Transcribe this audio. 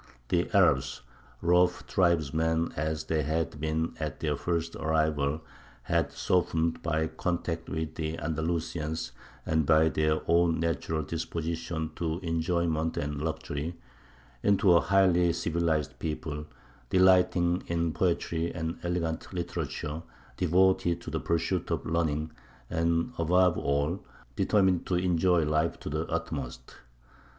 The Arabs, rough tribesmen as they had been at their first arrival, had softened, by contact with the Andalusians and by their own natural disposition to enjoyment and luxury, into a highly civilized people, delighting in poetry and elegant literature, devoted to the pursuit of learning, and, above all, determined to enjoy life to the utmost.